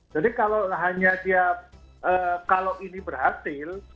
jadi kalau ini berhasil